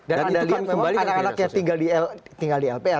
dan anda lihat memang anak anak yang tinggal di lpr